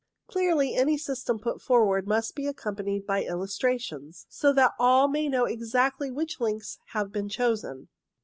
Clearly any system put forward must be accompanied by illustrations, so that all may know exactly which links have been chosen.